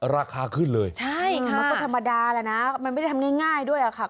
ราคาขึ้นเลยใช่ค่ะมันก็ธรรมดาแหละนะมันไม่ได้ทำง่ายด้วยอะค่ะ